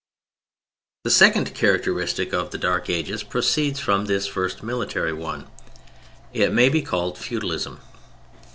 The second characteristic of the Dark Ages proceeds from this first military one: it may be called Feudalism.